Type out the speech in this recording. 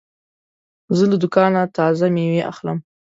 زه له دوکانه تازه مېوې اخلم.